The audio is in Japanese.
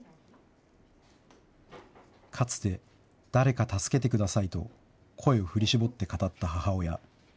かつて、誰か助けてくださいと声を振り絞って語った母親。